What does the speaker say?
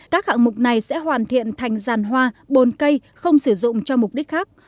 các hạng mục này sẽ hoàn thiện thành ràn hoa bồn cây không sử dụng cho mục đích khác